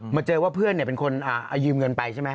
มาเจอว่าเพื่อนเนี่ยเป็นคนอ่ายืมเงินไปใช่ไหม